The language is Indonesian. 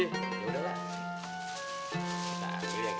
ini kan belum diberesin